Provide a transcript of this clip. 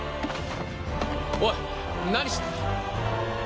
おい何し。